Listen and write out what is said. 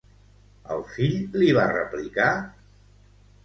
El fill li va replicar?